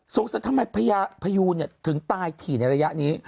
สงสัยทำไมพยาพยุนถึงตายถี่ในระยะนี้